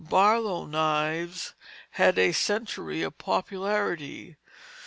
Barlow knives had a century of popularity.